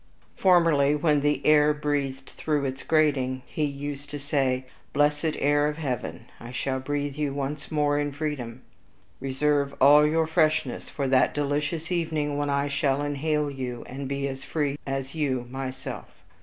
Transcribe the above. Formerly, when the air breathed through his grating, he used to say, "Blessed air of heaven, I shall breathe you once more in freedom! Reserve all your freshness for that delicious evening when I shall inhale you, and be as free as you myself."